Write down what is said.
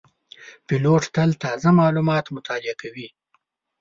پیلوټ تل تازه معلومات مطالعه کوي.